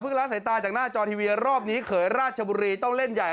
ละสายตาจากหน้าจอทีวีรอบนี้เขยราชบุรีต้องเล่นใหญ่